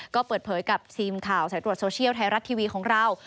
ก็เปิดเผยกับทีมข่าวสายตรวจโซเชียลไทยรัฐทีวีของเรา